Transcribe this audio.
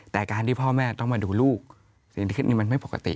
แต่การที่พ่อแม่ต้องมาดูลูกสิ่งที่มันไม่ปกติ